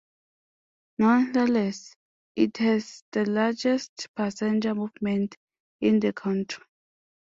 Nonetheless, it has the largest passenger movement in the country.